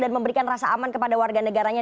dan memberikan rasa aman kepada warga negaranya